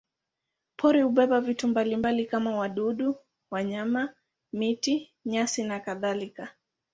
Pori hubeba vitu mbalimbali kama wadudu, wanyama, miti, nyasi nakadhalika.